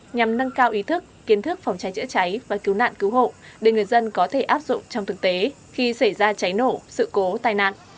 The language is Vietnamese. nhằm nâng cao ý thức kiến thức phòng cháy chữa cháy và cứu nạn cứu hộ để người dân có thể áp dụng trong thực tế khi xảy ra cháy nổ sự cố tai nạn